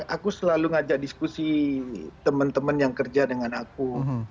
aku selalu ngajak diskusi teman teman yang kerja dengan aku